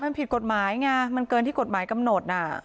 มันผิดกฎหมายไงมันเกินที่กฎหมายกำหนด